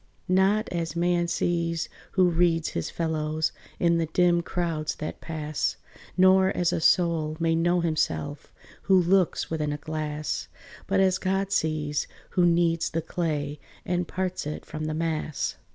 Not as man sees who reads his fellows In the dim crowds that pass: Nor as a soul may know himself, Who looks within a glass: But as God sees, who kneads the clay, And parts it from the mass.